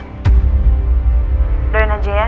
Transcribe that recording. doain aja ya semoga ricky dan elsa bisa ketangkap